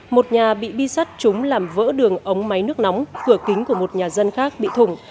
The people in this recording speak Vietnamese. một nhà bị bi sắt trúng làm vỡ đường ống máy nước nóng cửa kính của một nhà dân khác bị thủng